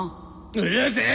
うるせぇ！